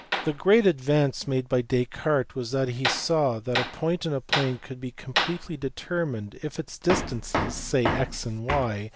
The great advance made by Descartes was that he saw that a point in a plane could be completely determined if its distances, say x and y, B.